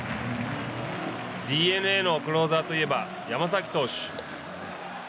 ＤｅＮＡのクローザーといえば山崎投手。